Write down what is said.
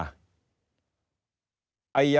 โว๊คกลับไปใหม่